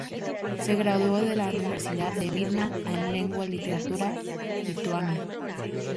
Se graduó de la Universidad de Vilna en lengua y literatura lituana.